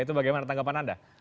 itu bagaimana tanggapan anda